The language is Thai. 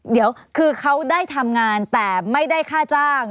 เดี๋ยวคือเขาได้ทำงานแต่ไม่ได้ค่าจ้าง